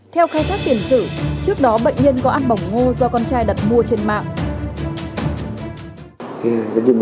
theo khai thác tiền sử trước đó bệnh nhân có ăn bỏng ngô do con trai đặt mua trên mạng